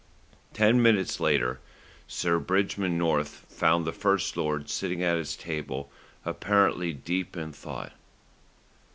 Ten minutes later Sir Bridgman North found the First Lord sitting at his table, apparently deep in thought.